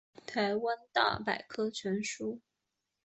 台湾大百科全书